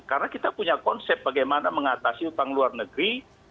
karena kita punya konsep bagaimana mengatasi utang luar negeri